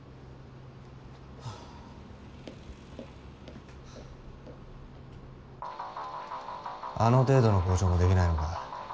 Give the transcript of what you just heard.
あの程度の交渉も出来ないのか。